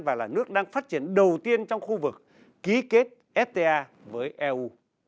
và là nước đang phát triển đầu tiên trong khu vực ký kết fta với eu